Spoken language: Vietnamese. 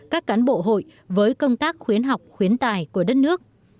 các cán bộ hội với công tác khuyến học khuyến tài của đất nước